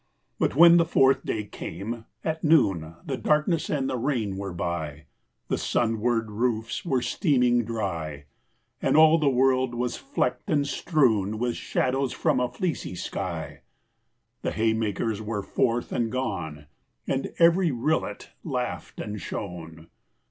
But when the fourth day came at noon, The darkness and the rain were by; The sunward roofs were steaming dry; And all the world was flecked and strewn With shadows from a fleecy sky. The haymakers were forth and gone, And every rillet laughed and shone.